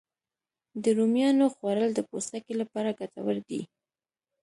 د رومیانو خوړل د پوستکي لپاره ګټور دي